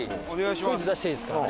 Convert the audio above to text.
お願いします。